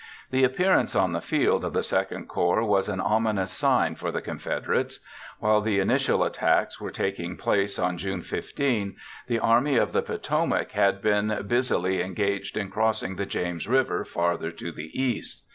The appearance on the field of the II Corps was an ominous sign for the Confederates. While the initial attacks were taking place on June 15, the Army of the Potomac had been busily engaged in crossing the James River farther to the east.